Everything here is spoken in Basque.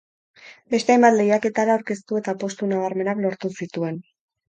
Beste hainbat lehiaketara aurkeztu eta postu nabarmenak lortu zituen.